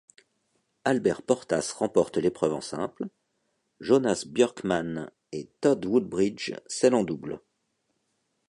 Albert Portas remporte l'épreuve en simple, Jonas Björkman et Todd Woodbridge celle en double.